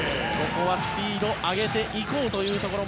ここはスピード上げていこうというところ。